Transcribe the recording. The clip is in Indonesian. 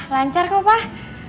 lancar kok pak